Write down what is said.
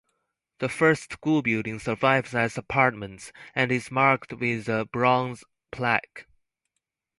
The first school building survives as apartments, and is marked with a bronze plaque.